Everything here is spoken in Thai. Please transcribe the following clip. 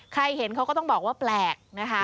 ใครเห็นเขาก็ต้องบอกว่าแปลกนะคะ